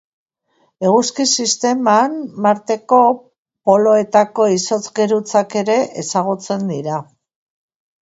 Eguzki-sisteman, Marteko poloetako izotz-geruzak ere ezagutzen dira.